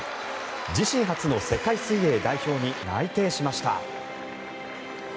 自身初の世界水泳代表に内定しました。